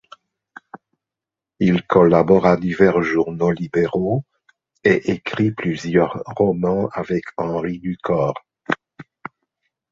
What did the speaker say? Il collabore à divers journaux libéraux et écrit plusieurs romans avec Henri Ducor.